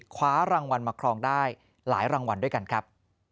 คว้ารางวัลมาครองได้หลายรางวัลด้วยกันครับ